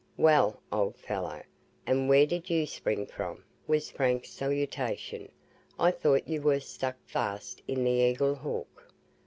"Well, old fellow, and where did you spring from?" was Frank's salutation. "I thought you were stuck fast in the Eagle Hawk."